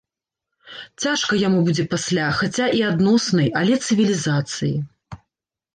Цяжка яму будзе пасля, хаця і адноснай, але цывілізацыі.